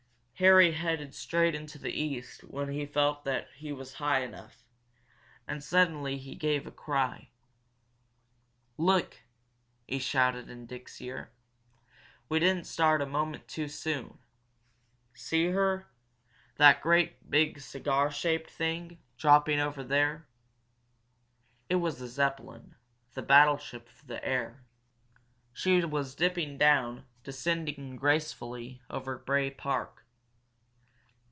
Harry headed straight into the east when he felt that he was high enough. And suddenly he gave a cry. "Look!" he shouted in Dick's ear. "We didn't start a moment too soon. See her that great big cigar shaped thing, dropping over there?" It was the Zepplin the battleship of the air. She was dipping down, descending gracefully, over Bray Park.